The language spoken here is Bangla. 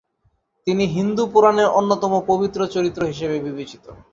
তিনি হিন্দু পুরাণের অন্যতম পবিত্র চরিত্র হিসেবে বিবেচিত।